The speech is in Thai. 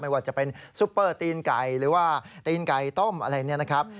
ว่าจะเป็นซุปเปอร์ตีนไก่หรือว่าตีนไก่ต้มอะไรเนี่ยนะครับ